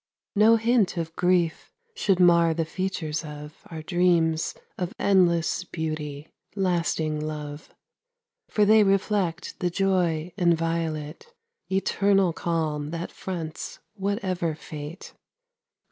No hint of grief should mar the features of Our dreams of endless beauty, lasting love; For they reflect the joy inviolate, Eternal calm that fronts whatever fate.